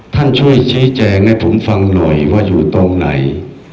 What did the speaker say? ท่านช่วยชี้แจงให้ผมฟังหน่อยว่าอยู่ตรงไหน